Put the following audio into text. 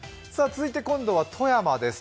続いて今度は富山です。